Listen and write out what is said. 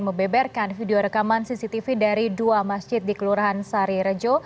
membeberkan video rekaman cctv dari dua masjid di kelurahan sari rejo